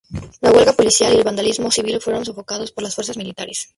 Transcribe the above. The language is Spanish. La huelga policial y el vandalismo civil fueron sofocados por las fuerzas militares.